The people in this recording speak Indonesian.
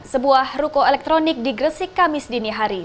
sebuah ruko elektronik di gresik kamis dini hari